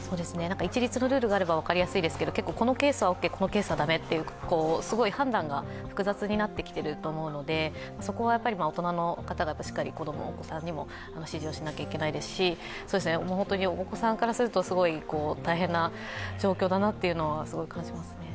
一律のルールがあれば分かりやすいですけどこのケースはオーケー、このケースは駄目っていう、その判断が複雑になってきていると思うので、そこは大人の方がしっかりお子さんにも指示をしないといけないですし本当にお子さんからすると大変な状況だなっていうのはすごい感じますね。